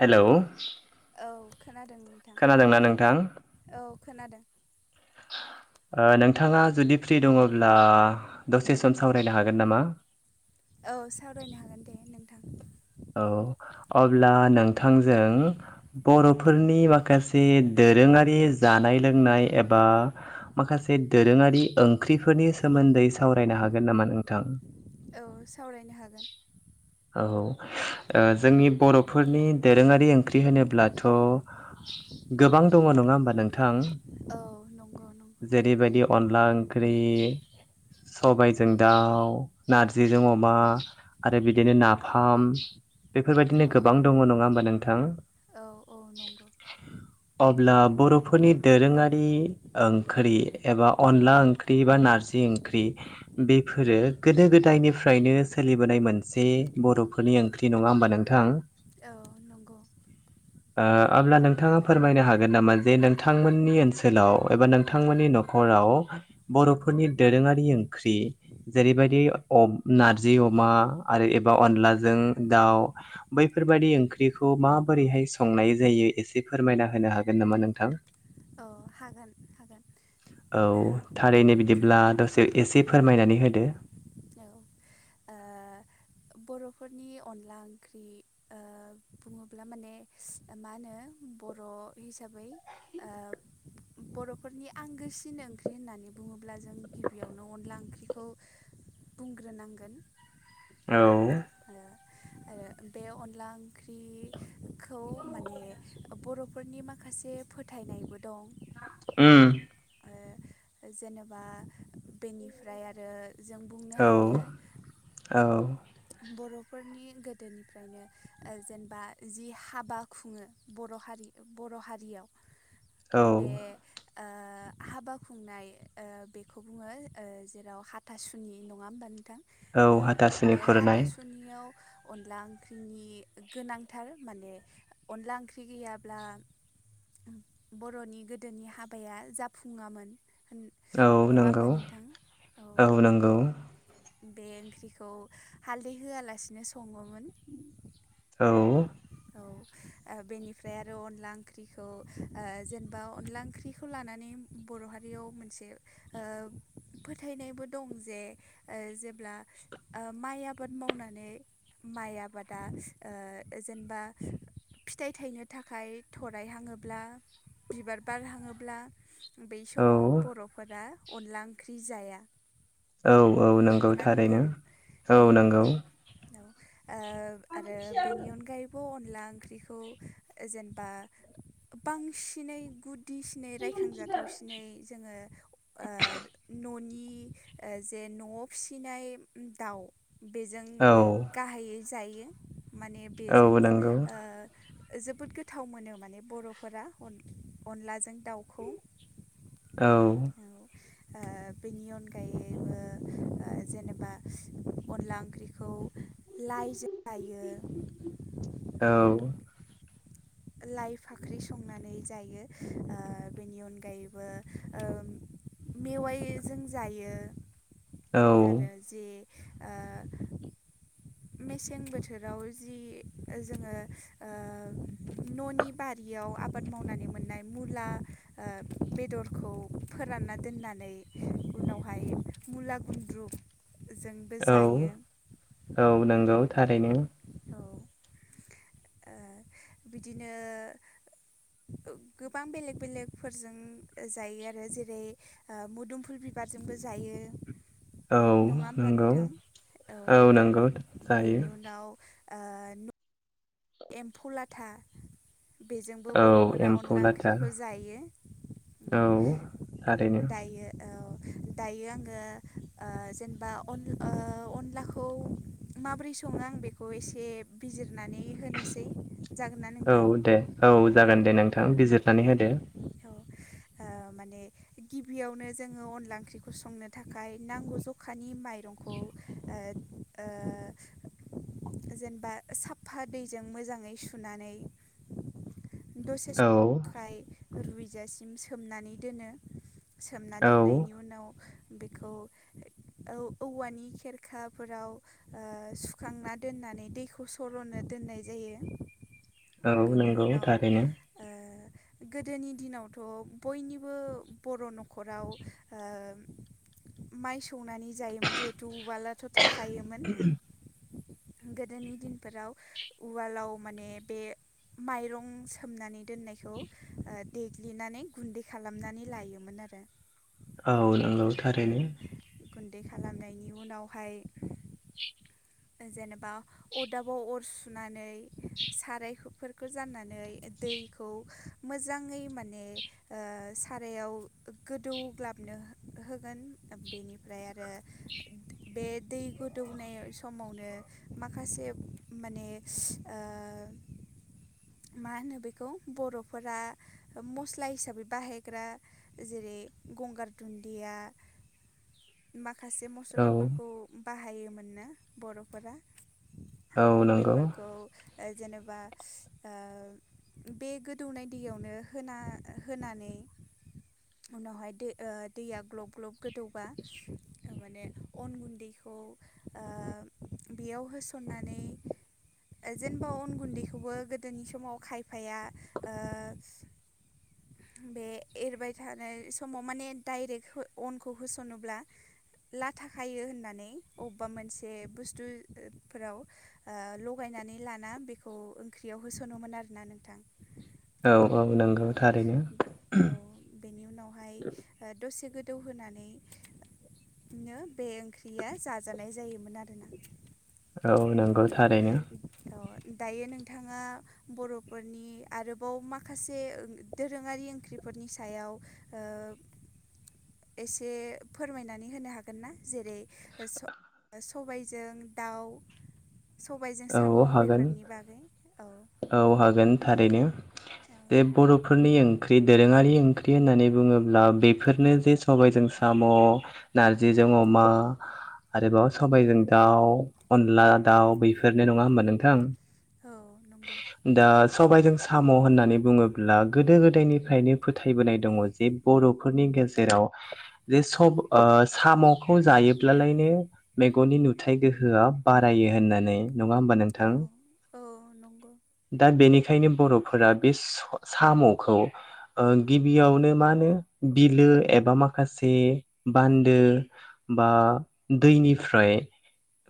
Hello. औ खोनादों। खोनादोंना नोंथां? औ खोनादों। [unintelligible] नोंथाङा जुदि फ्रि दङब्ला दसे सम सावरायनो हागोन नामा औ सावरायनो हागोन दे नोंथां औ अब्ला नोंथांजों बर'फोरनि माखासे दोरोंङारि जानाय लोंनाय एबा माखासे दोरोंङारि ओंख्रिफोरनि सोमोन्दै सावरायनो हागोन नामा नोंथां? औ सावरायनो हागोन। औ ओ जोंनि बर'फोरनि दोरोंङारि ओंख्रि होनोब्लाथ' गोबां दंङ नंङा होमबा नोंथां औ नंगौ नंगौ जेरैबायदि अनला ओंख्रि सबायजों दाउ नारजिजों अमा आरो बिदिनो नाफा थाम बेफोरबायदिनो औ गोबां दंङ नंङा होमबा नोंथां? औ औ नंगौ अब्ला बर'फोरनि दोरोंङारि ओंख्रि एबा अनला ओंख्रि एबा नारजि ओं ख्रि बेफोरो गोदो गोदायनिफ्रायनो सोलिबोनाय मोनसे बर'फोरनि ओंख्रि नंङा होमबा नोंथां? औ नंगौ। [unintelligible] ओअब्ला नोंथांङा फोरमायनो हागोन नामा जे नोंथांमोननि ओनसोलाव एबा नोंथांमोननि न'खर नखराव बर'फोरनि दोरोंङारि ओंख्रि जेरैबायदिअ नारजि अमा आरो एबा अनलाजों दाउ बैफोरबायादि ओंख्रिखौ माबोरैहाय संनाय जायो एसे फोरमायना होनो हागोन नामा नोंथां? औ हागोन हागोन औ थारैनो बिदिब्ला दसे एसे फोरमायनानै होदो। औ ओ बर'फोरनि अनला ओंख्रि ओ बुंङोब्ला माने मा होनो बर' हिसाबै ओ बर'फोरनि आंगोसिन ओंख्रि होननानै बुङोब्ला जों गिबियावनो अनला ओंख्रिखौ बुंग्रोनांगोन। औ। ओ ओ बे अनला ओंख्रिखौ माने बर'फोरनि माखासे फोथायनायबो दं। ओम ओ जेनेबा बेनिफ्राय आरो जों बुंनो औ हायो। औ। बर'फोरनि गोदोनिफ्रायनो ओ जेनेबा जि हाबा खुंङो बर' हारि बर' हारियाव [unintelligible] बे ओ हाबा खुंनाय ओ बेखौ बुंङो जेराव हाथासुनि नंङा होमबा नोंथां? औ ओ हाथासुनि बे हा खुरनाय बेनियाव अनला ओंख्रिनि गोनांथार माने अनला ओंख्रि गैयाब्ला बर'नि गोदोनि हाबाया जाफुङामोन औ नङा नंगौ होमबा नोंथां औ बे ओंख्रिखौ हालदै होआलासिनो संङोमोन। औ औ ओ बेनिफ्राय आरो अनला ओंख्रिखौ ओ जेनेबा अनला ओंख्रिखौ लानानै बर' हारियाव मोनसे ओ फोथायनायबो दं जे ओ जेब्ला माइ आबाद मावनानै माइ आबादा ओ जेनेबा फिथाइ थायनो थाखाय थरायहांङोब्ला बिबार बारहांङोब्ला बै समाव औ बर'फोरा अनला ओंख्रि जाया। औ औ नंगौ नंगौना थारैनो नोंथां औ नंगौ। औ ओ आरो बेनि अनगायै ब अनला ओंख्रिखौ ओ जेनेबा बांसिनै गुद उदिसिनै रायखांजाथावसिनै जोंङो ओ न'नि ओ जे न'आव फिसिनाय दाउ बेजों औ गाहायै जायो माने बेजों औ नंगौ ओ जोबोद गोथाव मोनो माने बर'फोरा अन अनलाजों दाउखौ। औ औ ओ बेनि अनगायैबो ओ जेनेबा अनला ओंख्रिखौ लाइजो जायो। औ लाइ फाख्रि संनानै जायो ओ बेनि अनगायैबो ओम मेवाइजों जायो औ आरो जे ओ मेसें बोथोराव जि जोंङो ओ न'नि बा लियाव आबाद मावनानै मोननाय मुला ओ बेदरखौ फोरानना दोननानै बेवहाय मुला गुन्द्रुजोंबो औ जायो। औ नंगौ थारैनो। औ ओ बिदिनो गोबां बेलेक बेलेकफोरजों जायो आरो जेरै ओ मुदुमफुल बि बिबारजोंबो जायो। औ नंङा होमब्ला नंगौ नोंथां? औ नंगौ जायो बेनि उनाव ओ न एम्फौ लाथा बेजोंबो औ बर'फोरा एम्फौ अनला लाथा ओंख्रिखौ जायो। उम औ थारैनो दायो। औ दायो आंङो ओ जेनेबा अन ओ अनलाखौ माबोरै संङो आं बेखौ एसे बिजिरनानै होनोसै। जागोन ना औ नोंथां दे औ जागोन दे नोंथां बिजिरनानै होदो। औ ओ माने गिबियावनो जोंङो अनला ओंख्रिखौ संनो थाखाय नांगौ जखानि माइरंखौ ओ ओ जेनेबा साफा दैजों मोजांङै सुनानै दसे औ सम खाय रुजासिम सोमनानै दोनो। सोमना औ दोननायनि उनाव बेखौ औ औवानि खेरखाफोराव ओ सुखांना दोननानै दैखौ सर'नो दोननाय जायो। औ बेनि नंगौ उनाव थारैनो ओ गोदोनि दिनावथ' बयनिबो बर' न'खराव ओ माइ सौनानै जायोमोन जिहेथु उवलाथ' थाखायोमोन। गोदोनि दिनफोराव उवालाव माने बे माइरं सोमनानै दोननायखौ ओ देग्लिनानै गुन्दै खालामनानै लायोमोन आरो। औ नंगौ औ थारैनो। गुन्दै खालामनायनि उनावहाय [inaudible] जेनेबा अदाबाव अर सुनानै सारायफोरखौ जाननानै दैखौ मोजांङै माने ओ सारायाव गोदौग्लाबनो हो होगोन बेनिफ्राय आरो बे दै गोदौनाय स समावनो माखासे मोने ओ मा होनो बेखौ बर'फोरा मस्ला हिसाबै बाहायग्रा जेरै गंगार दुन्दिया [inaudible] माखासे औ मसलाफोरखौ बाहायोमोननो बर'फोरा औ नंगौ बेफोरखौ जेनेबा ओ बे गोदौनाय दैयावनो होना होनानै उनावहाय दो ओ दैया ग्लब ग्लब गोदौबा माने अन गुन्दैखौ ओ बेयाव होसननानै जेनेबा अन गुन्दैखौबो गोदोनि समाव खायफाया ओ बे एरबाय थानाय समाव माने डाइरेक्ट अनखौ होसनोब्ला लाथाखायो होननानै अबेबा मोनसे बे बुस्थु फोराव ओ लगायनानै लाना बेखौ ख्रियाव होसनोमोन आरोना नोंथां औ औ। बेनि उनावहाय ओ दसे गोदौ होनानै नो बे ओंख्रिया जाजानाय जायोमोन आरोना। औ नंगौ औ थारैनो। औ दायो नोंथाङा बर'फोरनि आरोबाव माखासे दोरोङारि ओंख्रिफोरनि सायाव ओ एसे फोरमायनानै होनो हागोन ना जेरै सबायजों दाउ सबायजों साम' औ हागोन बेफोरनि बागै औ। औ हागोन थारैनो औ जे बर' फोरनि ओंख्रि दोरोङारि ओंख्रि होननानै बुङोब्ला बेफोरनो जे सबायजों साम' नारजिजों अमा आरोबाव सबायजों दाउ अनला दाउ बेफ फोरनो नङा होमबा नोंथां? औ नंगौ। दा सबायजों साम' होननानै बुङोब्ला गोदो गोदायनिफ्रायनो फोथायबोनाय दङ जे बर'फोरनि गेजेराव जे सब साम'खौ जायोब्लालायनो मेगननि नुथायाइ गोहोआ बारायो होननानै नङा होमबा औ नोंथां? औ नंगौ। दा बेनिखायनो बर'फोरा बे साम'खौ ओ गिबियावनो मा होनो बिलो एबा माखासे बान्दो बा दैनिफ्राय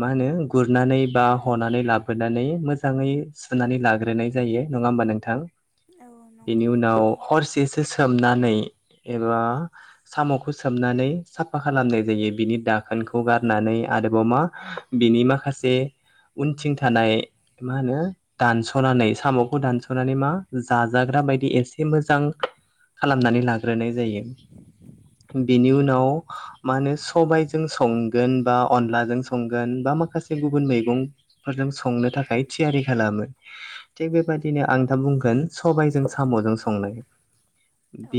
मा होनो गुरनानै बा हनानै लाबोनानै मोजाङै नानै लाग्रोनाय जायो नङा होमबा नोंथां औ बेनि नंगौ उनाव नंगौ हरसे स सोमनानै एबा साम'खौ सोमनानै साफा खालामनाय जायो बिनि दाखोनखौ गारनानै आरोबाव मा बिनि माखासे उनथिं थानाय मा होनो। दानस'नानै साम'खौ दानस'नानै मा जाजाग्रा बायदि ए से मोजां खालामनानै लाग्रोनाय जायो बेनि उनाव मा होनो सबायजों संगोन बा अनलाजों संगोन बा माखासे गुबुन मैगं फोरजों संनो थाखाय थियारि खालामो। थिग बेबायदिनो आं दा बुंगोन सबायजों साम'जों संनाय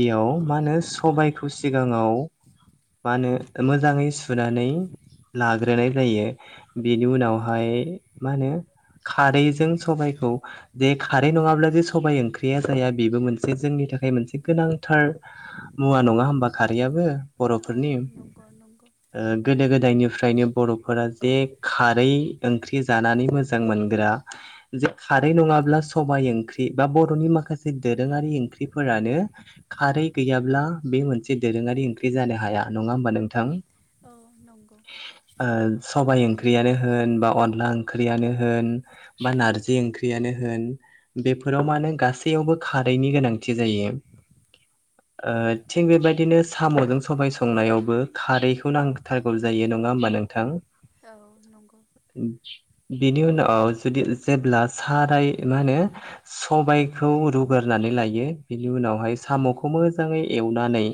औ मा होनो सबाइखौ सिगाङाव मा होनो मोजाङै सुनानै लाग्रोनाय जायो बेनि उनावहाय मा होनो खारैजों सबायखौ जे खारै नङाब्ला जे सबाइ ओंख्रिया जाया बेबो मोनसे जोंनि थाखाय मोनसे गोनांथार मुवा नङा होमबा खारैयाबो औ बर'फोरनि नंगौ नंगौ ओ गोदो गोदायनिफ्रायनो बर'फोरा जे खारै ओंख्रि जानानै मोजां मोनग्रा जे खारै नङाब्ला सबाइ ओंख्रि बा बर'नि माखासे दोरोङारि ओंख्रिफोरानो खारै गैयाब्ला बे मोनसे दोरोङारि ओंख्रि जानो हाया नङा होमबा नोंथां। औ नंगौ ओ सबाय ओंख्रियानो होन बा अनला ओंख्रियानो होन बा नार जि ओंख्रियानो होन बेफोराव माने गासैयावबो खारैनि गोनांथि जायो। ओ थिग बेबायदिनो साम'जों सबाय संनायावबो खारैखौ नांथार गौ जायो नङा होनबा नोंथां। औ नंगौ बेनि उनाव जुदि जेब्ला साराय मा होनो सबायखौ रुगोरनानै लायो बिनि उनावहाय साम'खौ मोजाङै एवनानै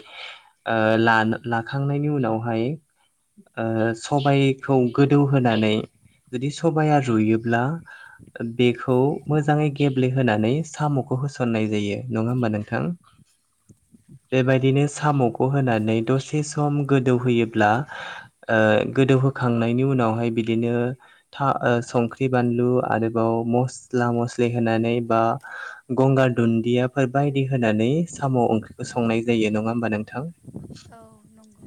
ओ ला लाखांनायनि उनावहाय ओ सबायखौ गोदौहोनानै जुदि सबाया रुइओब्ला बेखौ मोजाङै गेब्लेहोनानै साम'खौ होसननाय जायो नङा होमबा नोंथां? औ बेबायदिनो साम'खौ होनानै दसे सम गोदौहोयोब्ला ओ गोदौहोखांनायनि उनावहाय बिदिनो था ओ संख्रि बानलु आरो बाव मस्ला मस्लि होनानै बा गंगार दुनदियाफोर बायदि होनानै साम' ओंख्रिखौ संनाय जायो नङा होमबा नोंथां। औ नंगौ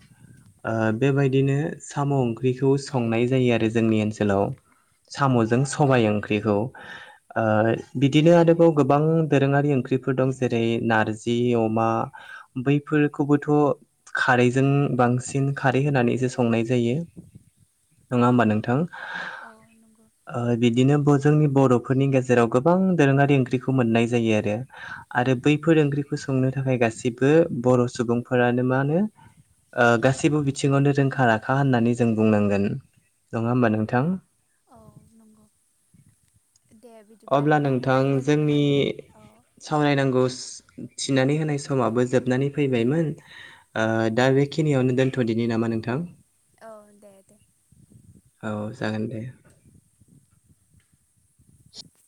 ओ बेबायदिनो साम' ओंख्रिखौ संनाय जायो आरो जोंनि ओनसोलाव साम'जों सबाय ओंख्रिखौ ओ बिदिनो आरोबाव गोबां दोरोङारि ओंख्रिफोर दं जेरै नारजि अमा बैफोरखौबोथ' खारैजों बांसिन खारै होनानैसो संनाय जायो औ नङा होमबा नोंथा? औ नंगौ ओ बिदिनो जोंनि बर'फोरनि गेजेराव गोबां दोरोङारि ओंख्रिखौ मोननाय जायो आरो। आरो बैफोर ओंख्रिखौ संनो थाखाय गासैबो बर' सुबुंफोरानो मा होनो ओ गासैबो बिथिङावनो रोंखा राखा होननानै जों बुंनांगोन नङा होमबा नोंथां? औ नंगौ दे बिदिब्ला अब्ला नोंथां रायलायगौ जोंनि मानि औ सावरायनांगौ थिनानै होनाय समाबो जोबनानै फैबायमोन ओ औ दा बे खिनियावनो दोनथ'दिनि नामा नोंथां। औ दे दे औ जागोन दे।